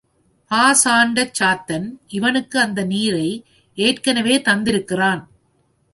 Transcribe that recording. பாசாண்டச் சாத்தன் இவனுக்கு அந்த நீரை ஏற்கனவே தந்திருக்கிறான்.